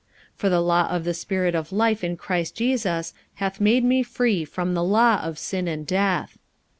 45:008:002 For the law of the Spirit of life in Christ Jesus hath made me free from the law of sin and death.